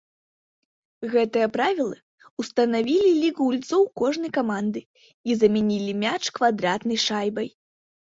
Гэтыя правілы ўстанавілі лік гульцоў кожнай каманды і замянялі мяч квадратнай шайбай.